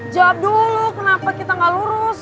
jawab dulu kenapa kita gak lurus